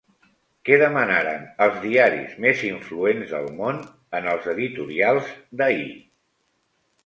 Què demanaren els diaris més influents del món en els editorials d'ahir?